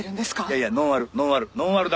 いやいやノンアルノンアル。